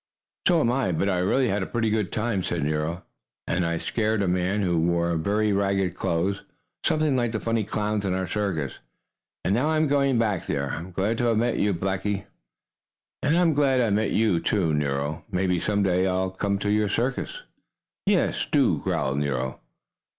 "So am I. But I really had a pretty good time," said Nero. "And I scared a man who wore very ragged clothes, something like the funny clowns in our circus. And now I am going back there. I'm glad to have met you, Blackie." "And I'm glad I met you, Nero. Maybe someday I'll come to your circus." "Yes, do," growled Nero.